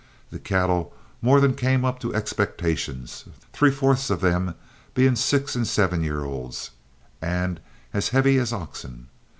The cattle more than came up to expectations, three fourths of them being six and seven years old, and as heavy as oxen.